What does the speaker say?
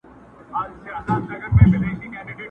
o چي بد گرځي، بد به پرځي٫